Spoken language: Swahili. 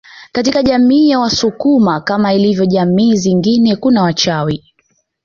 Katika jamii ya wasukuma kama ilivyo jamii zingine kuna wachawi